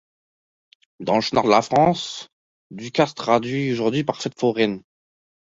Dans le nord de la France ducasse se traduit aujourd'hui par Fête Foraine.